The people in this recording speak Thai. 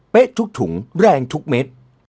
ทุกถุงแรงทุกเม็ด